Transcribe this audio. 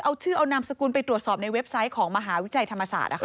เอาชื่อเอานามสกุลไปตรวจสอบในเว็บไซต์ของมหาวิทยาลัยธรรมศาสตร์